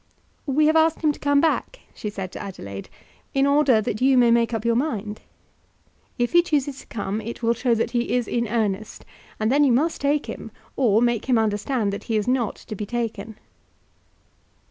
"We have asked him to come back," she said to Adelaide, "in order that you may make up your mind. If he chooses to come, it will show that he is in earnest; and then you must take him, or make him understand that he is not to be taken."